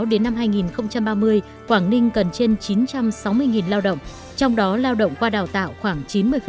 đến năm hai nghìn ba mươi quảng ninh cần trên chín trăm sáu mươi lao động trong đó lao động qua đào tạo khoảng chín mươi